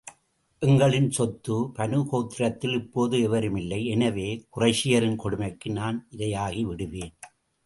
எங்களின் சொந்த பனூ கோத்திரத்தில் இப்போது எவரும் இல்லை எனவே, குறைஷியரின் கொடுமைக்கு நான் இரையாகிவிடுவேன்!